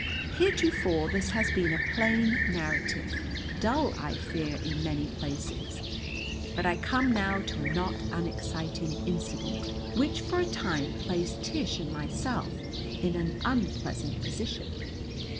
Heretofore this has been a plain narrative, dull, I fear, in many places. But I come now to a not unexciting incident which for a time placed Tish and myself in an unpleasant position.